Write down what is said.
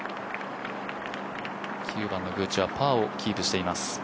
９番のグーチはパーをキープしています。